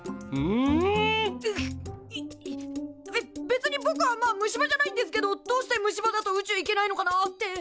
べ別にぼくはまあ虫歯じゃないんですけどどうして虫歯だと宇宙行けないのかなって。